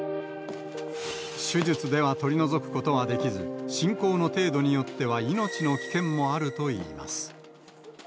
手術では取り除くことはできず、進行の程度によっては命の危険もあるといいます。